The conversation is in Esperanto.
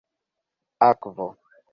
akvo